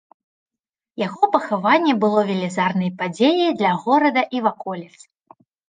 Яго пахаванне было велізарнай падзеяй для горада і ваколіц.